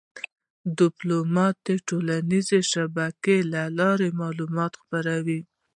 ډيپلومات د ټولنیزو شبکو له لارې معلومات خپروي.